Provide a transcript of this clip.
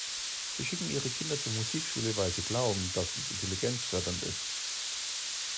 Sie schicken ihre Kinder zur Musikschule, weil sie glauben, dass dies intelligenzfördernd ist.